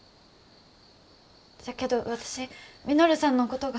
じゃけど私稔さんのことが。